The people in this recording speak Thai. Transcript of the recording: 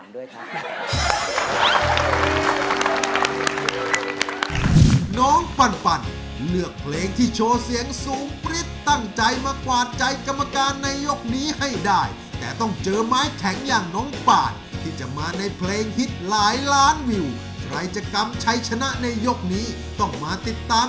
ได้ทั้งคณะกรรมการแล้วก็น้องปันด้วยค่ะ